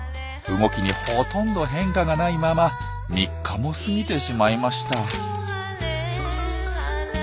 動きにほとんど変化がないまま３日も過ぎてしまいました。